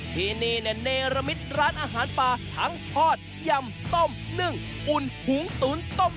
ทีนี้เนรมิตร้านอาหารป่าทั้งพร้อมยำต้นหุ่นหุงตูนต้น